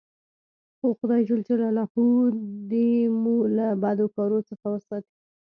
خو خداى جل جلاله دي مو له بدو کارو څخه ساتي.